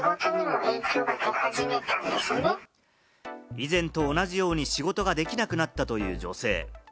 以前と同じように仕事ができなくなったという女性。